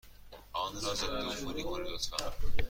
آن را ضدعفونی کنید، لطفا.